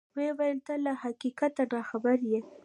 ویې ویل: ته له حقیقته ناخبره یې.